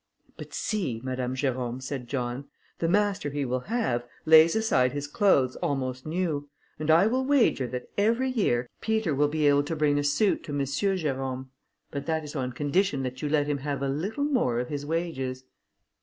"But see, Madame Jerôme," said John, "the master he will have, lays aside his clothes almost new, and I will wager that, every year, Peter will be able to bring a suit to M. Jerôme; but that is on condition that you let him have a little more of his wages."